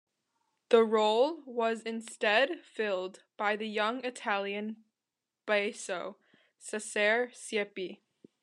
The role was instead filled by the young Italian basso, Cesare Siepi.